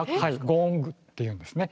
ゴングっていうんですね。